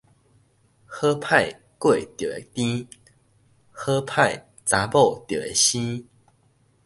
好歹粿著會甜，好歹查某著會生